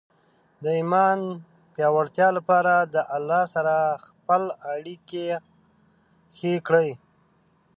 د ایمان پیاوړتیا لپاره د الله سره خپل اړیکه ښې کړئ.